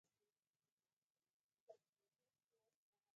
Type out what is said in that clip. افغانستان له د افغانستان ولايتونه ډک دی.